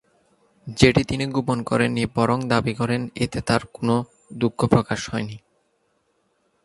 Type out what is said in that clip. যেটি তিনি গোপন করেননি বরং দাবি করেন এতে তার কোন দুঃখ প্রকাশ হয়নি।